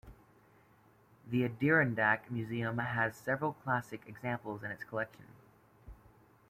The Adirondack Museum has several classic examples in its collection.